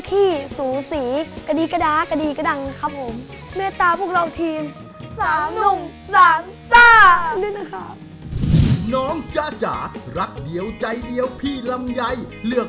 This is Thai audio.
ที่ไปพร้อมเป็นจักรยานสีแดง